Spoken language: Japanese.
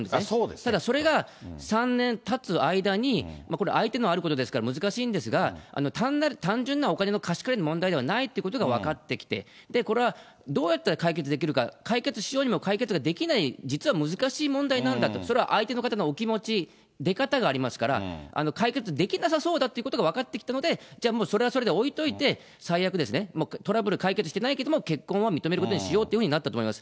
ただそれが、３年たつ間に、これ、相手のあることですから難しいんですが、単純なお金の貸し借りではないということが、問題ではないってことが分かってきて、これはどうやったら解決できるか、解決しようにも解決できない、実は難しい問題なんだと、それは相手の方のお気持ち、出方がありますから、解決できなさそうだということが分かってきたので、じゃあ、もうそれはそれで置いといて、最悪、トラブル解決してないけれども、結婚は認めることにしようということになったと思います。